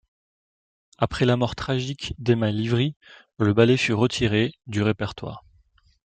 Après la mort tragique d'Emma Livry, le ballet fut retiré du répertoire.